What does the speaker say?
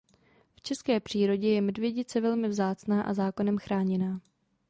V české přírodě je medvědice velmi vzácná a zákonem chráněná.